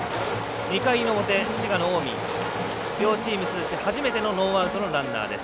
２回の表、滋賀の近江両チーム通じて初めてのノーアウトランナーです。